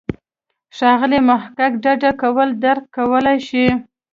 ښاغلی محق ډډه کول درک کولای شي.